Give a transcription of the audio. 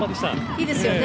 いいですよね。